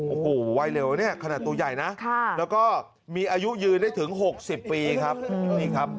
โอ้โหว่ายเร็วเนี่ยขนาดตัวใหญ่นะค่ะแล้วก็มีอายุยืนได้ถึงหกสิบปีครับ